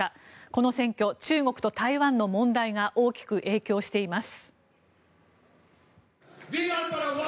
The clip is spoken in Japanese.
この選挙、中国と台湾の問題が大きく影響しています。